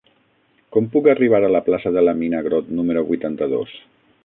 Com puc arribar a la plaça de la Mina Grott número vuitanta-dos?